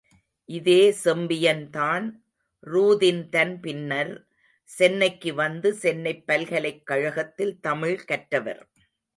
இதே செம்பியன்தான் ரூதின்தன் பின்னர், சென்னைக்கு வந்து, சென்னைப் பல்கலைக்கழகத்தில் தமிழ் கற்றவர்.